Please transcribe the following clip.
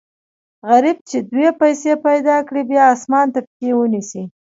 غریب چې دوې پیسې پیدا کړي، بیا اسمان ته پښې و نیسي.